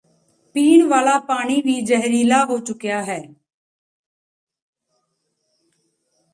ਪੀਣ ਵਾਲਾ ਪਾਣੀ ਵੀ ਜ਼ਹਿਰੀਲਾ ਹੋ ਚੁੱਕਿਆ ਹੈ